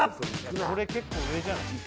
これ結構上じゃない？